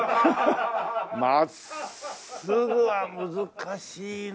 真っすぐは難しいな。